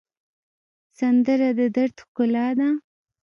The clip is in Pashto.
سندره د دَرد ښکلا ده